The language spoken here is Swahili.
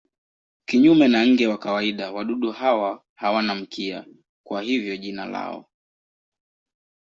Kinyume na nge wa kawaida wadudu hawa hawana mkia, kwa hivyo jina lao.